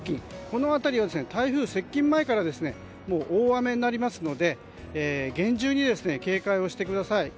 この辺りは台風接近前から大雨になりますので厳重に警戒をしてください。